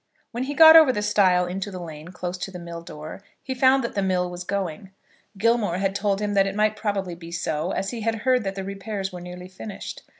When he got over the stile into the lane close to the mill door, he found that the mill was going. Gilmore had told him that it might probably be so, as he had heard that the repairs were nearly finished.